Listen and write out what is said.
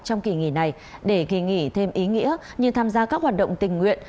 trong kỳ nghỉ này để kỳ nghỉ thêm ý nghĩa như tham gia các hoạt động tình nguyện